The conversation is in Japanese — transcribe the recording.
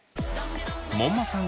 門馬さん